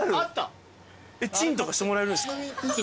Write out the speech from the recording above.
チンとかしてもらえるんですか？